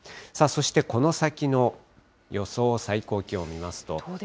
さあ、そしてこの先の予想最高気温見ますと。